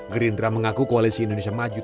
gerindra mengaku koalisi indonesia maju